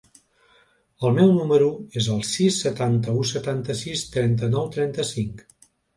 El meu número es el sis, setanta-u, setanta-sis, trenta-nou, trenta-cinc.